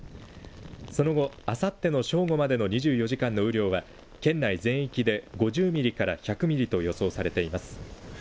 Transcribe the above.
その後、あさっての正午までの２４時間の雨量は県内全域で５０ミリから１００ミリと予想されています。